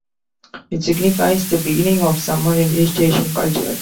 It signifies the beginning of summer in East Asian cultures.